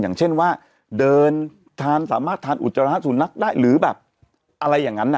อย่างเช่นว่าเดินทานสามารถทานอุจจาระสุนัขได้หรือแบบอะไรอย่างนั้น